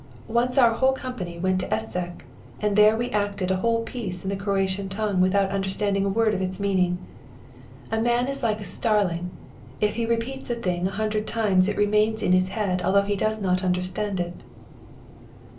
Once our whole company went to Eszek, and there we acted a whole piece in the Croatian tongue without understanding a word of its meaning. A man is like a starling. If he repeats a thing a hundred times it remains in his head although he does not understand it.'